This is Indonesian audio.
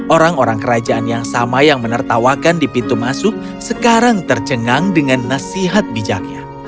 orang orang kerajaan yang sama yang menertawakan di pintu masuk sekarang tercengang dengan nasihat bijaknya